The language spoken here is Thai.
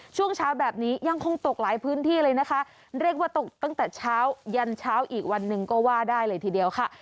ช่วงเช้าแบบนี้ยังคงตกหลายพื้นที่เลยนะคะเรียกว่าตกตั้งแต่เช้ายันเช้าอีกวันหนึ่งก็ว่าได้เลยทีเดียวค่ะ